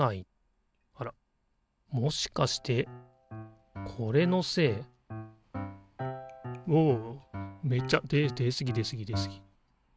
あらっもしかしてこれのせい？わわわわめっちゃで出すぎ出すぎ出すぎ。